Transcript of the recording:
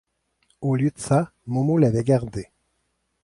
Au lieu de ça, Momo l’avait gardé.